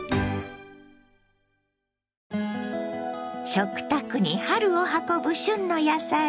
食卓に春を運ぶ旬の野菜。